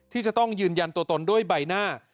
ที่จะต้องยืนยันตัวตนด้วยใบหน้า